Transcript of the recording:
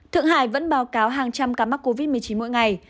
thượng hải vẫn báo cáo hàng trăm ca mắc covid một mươi chín mỗi ngày